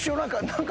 何か。